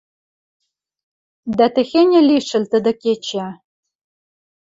Дӓ техеньӹ лишӹл тӹдӹ кечӓ